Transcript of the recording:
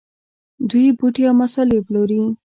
دوی بوټي او مسالې پلوري.